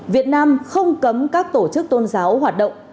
việt nam không cấm các tổ chức tôn giáo hoạt động